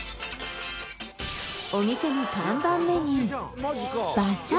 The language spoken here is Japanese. お店の看板メニュー